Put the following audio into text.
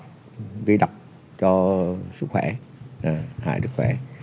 gây độc cho sức khỏe hại sức khỏe